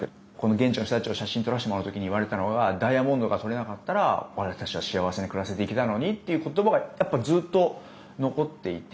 現地の人たちの写真を撮らしてもらう時に言われたのがダイヤモンドが採れなかったら私たちは幸せに暮らせていけたのにという言葉がずっと残っていて。